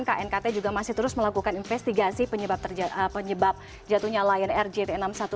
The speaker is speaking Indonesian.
knkt juga masih terus melakukan investigasi penyebab jatuhnya lion air jt enam ratus sepuluh